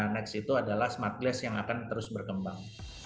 next itu adalah smart glass yang akan terus berkembang